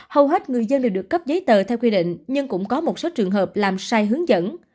hầu hết người dân đều được cấp giấy tờ theo quy định nhưng cũng có một số trường hợp làm sai hướng dẫn